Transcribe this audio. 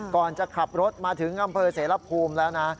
ก่อนจะขับรถมาถึงอำเภอเสรภูมิแล้วนะ